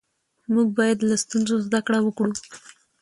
موږ باید له ستونزو زده کړه وکړو